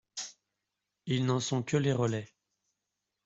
Ils n'en sont que les relais.